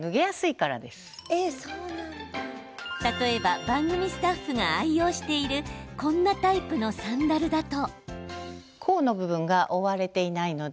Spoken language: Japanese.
例えば番組スタッフが愛用しているこんなタイプのサンダルだと。